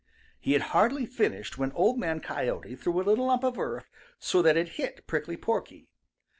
He had hardly finished when Old Man Coyote threw a little lump of earth so that it hit Prickly Porky.